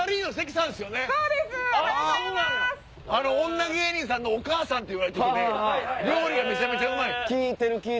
女芸人さんのお母さんといわれている人で料理がめちゃめちゃうまい。